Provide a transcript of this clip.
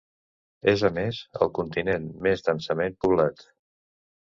És, a més, el continent més densament poblat.